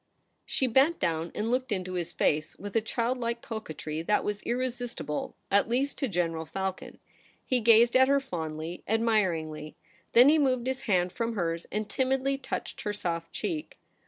She bent down and looked into his face with a childlike coquetry that was irresistible, at least to General Falcon. He gazed at her fondly, admiringly. Then he moved his hand from hers and timidly touched her soft cheek.